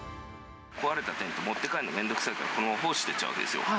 壊れたテント、持って帰るのめんどくさいからこのまま放置していっちゃうわけですよ。